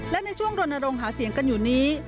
และในช่วงรณรงค์หาเสียงกันอยู่นี้